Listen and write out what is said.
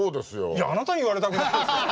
いやあなたに言われたくないですよ。